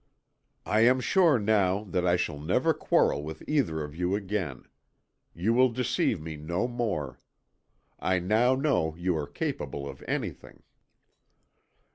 "I am sure now that I shall never quarrel with either of you again; you will deceive me no more. I now know you are capable of anything."